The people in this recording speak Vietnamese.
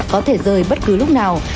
có thể rời bất cứ lúc nào